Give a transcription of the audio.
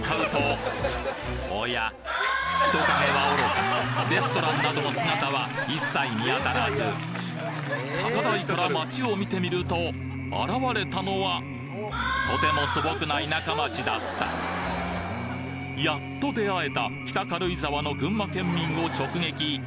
人影はおろかレストランなどの姿は一切見当たらず高台から町を見てみると現れたのはとても素朴な田舎町だったやっと出会えたあっ群馬県民？